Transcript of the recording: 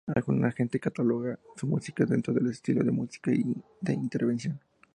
Alguna gente cataloga su música dentro de los estilos de música de intervención.